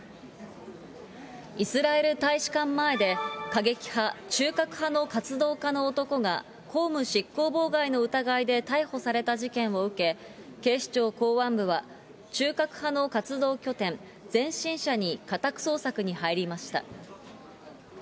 イスラエル大使館前で、過激派、中核派の活動家の男が公務執行妨害の疑いで逮捕された事件を受け、警視庁公安部は、中核派の活動拠点、前進社に家宅捜索に入りました。